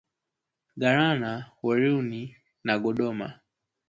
Galana, Weruni na Godoma